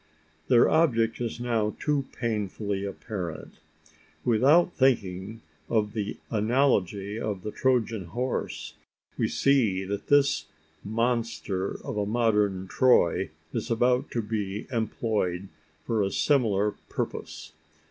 Their object is now too painfully apparent. Without thinking of the analogy of the Trojan horse, we see that this monster of a modern Troy is about to be employed for a similar purpose.